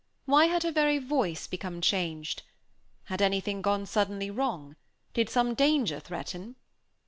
Why had her very voice become changed? Had anything gone suddenly wrong? Did some danger threaten?